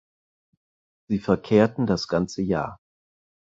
Sie verkehrten das ganze Jahr.